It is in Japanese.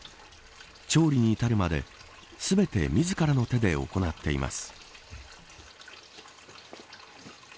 調理に至るまで全て自らの手で行っています。